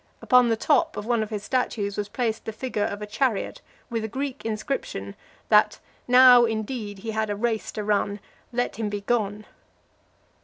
Upon the top of one of his statues was placed the figure of a chariot with a Greek inscription, that "Now indeed he had a race to run; let him be gone."